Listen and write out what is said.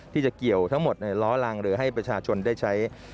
ที่จะเกี่ยวทั้งหมดในล้อรังหรือให้ประชาชนได้ใช้